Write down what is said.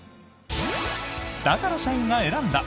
だから社員が選んだ！